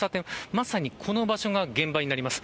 まさに、この場所が現場です。